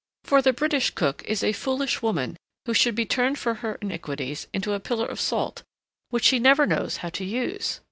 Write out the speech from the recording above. For the British cook is a foolish woman who should be turned for her iniquities into a pillar of salt which she never knows how to use.